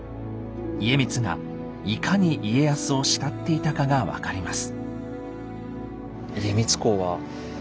家光がいかに家康を慕っていたかが分かります。